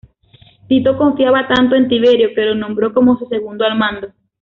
Tito confiaba tanto en Tiberio que lo nombró como su segundo al mando.